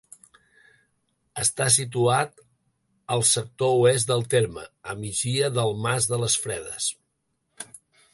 Està situat al sector oest del terme, a migdia del Mas de les Fredes.